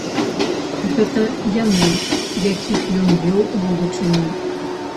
Гэта яны, якіх ён вёў у будучыню.